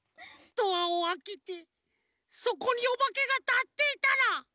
ドアをあけてそこにおばけがたっていたら！